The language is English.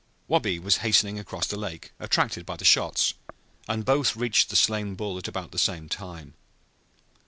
Wabi was hastening across the lake, attracted by the shots, and both reached the slain bull at about the same time.